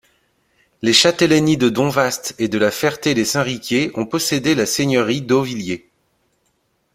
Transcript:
Les châtellenies de Domvast et de la Ferté-lès-Saint-Riquier ont possédé la seigneurie d'Hautvillers.